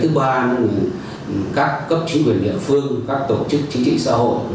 thứ ba các cấp chính quyền địa phương các tổ chức chính trị xã hội